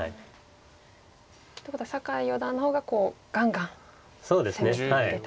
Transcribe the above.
っていうことは酒井四段の方がガンガン攻めていってと。